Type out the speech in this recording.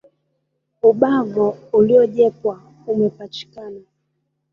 Ubavo uliojepwa umepachikana